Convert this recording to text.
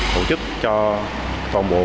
tổ chức cho toàn bộ